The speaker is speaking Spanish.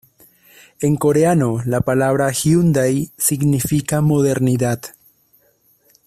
En coreano, la palabra hyundai significa modernidad.